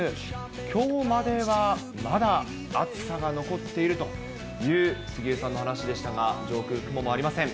きょうまではまだ暑さが残っているという杉江さんの話でしたが、上空、雲もありません。